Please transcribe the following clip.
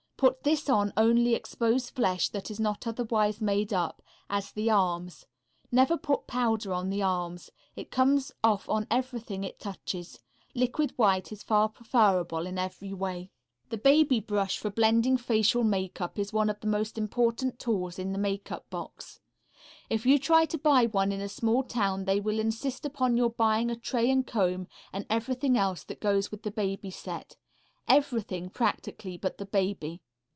Put this on only exposed flesh that is not otherwise made up, as the arms. Never put powder on the arms. It comes off on everything it touches. Liquid white is far preferable in every way. The baby brush for blending facial makeup is one of the most important tools in the makeup box. If you try to buy one in a small town they will insist upon your buying a tray and comb, and everything else that goes with the baby set everything, practically, but the baby.